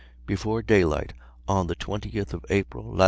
Before daylight on the 20th of April, lat.